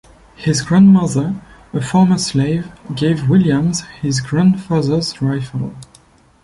His grandmother, a former slave, gave Williams his grandfather's rifle.